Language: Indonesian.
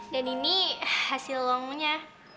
dan ini hasil uangnya